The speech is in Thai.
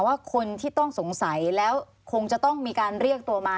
ว่าคนที่ต้องสงสัยแล้วคงจะต้องมีการเรียกตัวมา